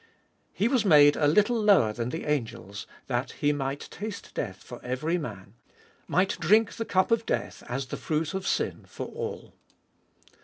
" He was made a little lower than the angels that He might taste death for every man," might drink the cup of death, as the fruit of sin, for all.